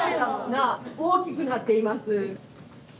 大きくなっています。